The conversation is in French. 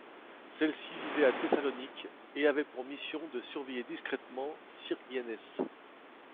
Celle-ci vivait à Thessalonique et avait pour mission de surveiller discrètement Syrgiannès.